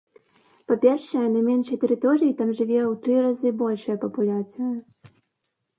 Па-першае, на меншай тэрыторыі там жыве ў тры разы большая папуляцыя.